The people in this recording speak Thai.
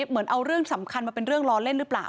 เหมือนเอาเรื่องสำคัญมาเป็นเรื่องล้อเล่นหรือเปล่า